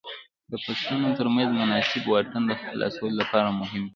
د فصلونو تر منځ مناسب واټن د حاصلاتو لپاره مهم دی.